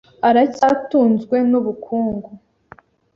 Aracyatunzwe nubukungu.